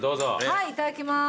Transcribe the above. はいいただきます。